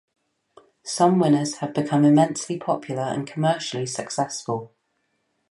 Some winners have become immensely popular and commercially successful.